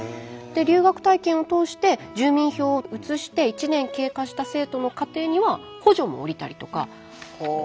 留学体験を通して住民票を移して１年経過した生徒の家庭には補助も下りたりとか。